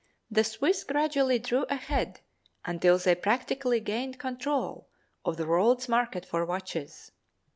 The Swiss gradually drew ahead until they practically gained control of the world's market for watches.